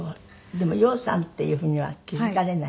でも羊さんっていうふうには気付かれない？